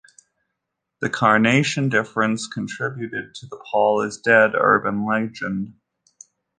The carnation difference contributed to the "Paul is dead" urban legend.